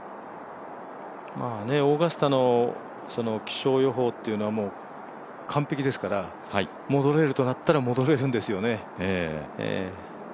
オーガスタの気象予報というのは完璧ですから戻れるとなったら戻れるんですよね。